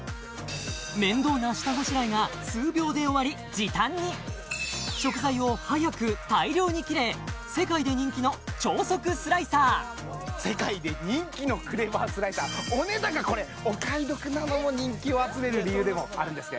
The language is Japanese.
面倒な下ごしらえが数秒で終わり時短に食材を速く大量に切れ世界で人気の超速スライサー世界で人気のクレバースライサーお値段がこれお買い得なのも人気を集める理由でもあるんですね